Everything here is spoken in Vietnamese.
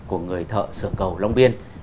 của người thợ sở cầu long biên